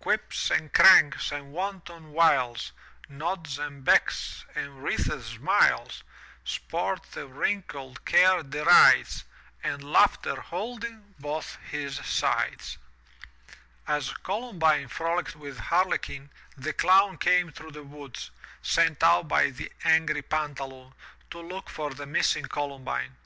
Quips and Cranks and wanton Wiles,* Nods and Becks and wreathed Smiles, Sport that wrinkled Care derides. And Laughter, holding both his sides! As Columbine frolicked with Harlequin, the Clown came through the woods, sent out by the angry Pantaloon, to look for the missing Columbine.